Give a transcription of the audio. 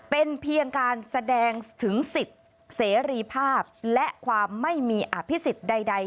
เป็นเพียงการแสดงถึงสิทธิ์เสรีภาพและความไม่มีอภิษฎใด